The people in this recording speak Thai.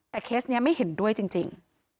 แต่เคสนี้ไม่เห็นด้วยจริง